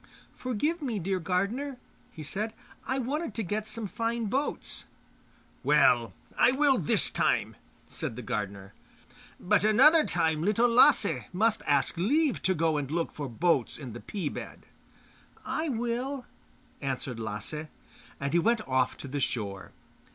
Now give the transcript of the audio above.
'Forgive me, dear gardener!' he said. 'I wanted to get some fine boats.' 'Well, I will this time,' said the gardener. 'But another time Little Lasse must ask leave to go and look for boats in the pea bed.' 'I will,' answered Lasse; and he went off to the shore.